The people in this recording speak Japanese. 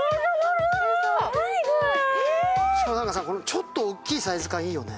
ちょっと大きいサイズ感、いいよね。